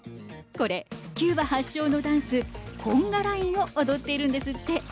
これ、キューバ発祥のダンスコンガラインを踊っているんですって。